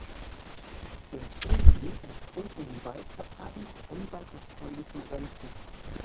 Der Stryj entspringt in den Waldkarpaten unweit der polnischen Grenze.